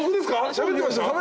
しゃべってました？